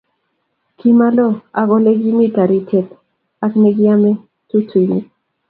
Kimaloo ak olekimi taritiet ake nekiame tutuik